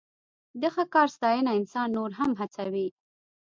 د ښه کار ستاینه انسان نور هم هڅوي.